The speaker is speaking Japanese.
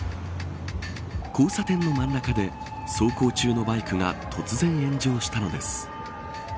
交差点の真ん中で走行中のバイクが突然、炎上したのです。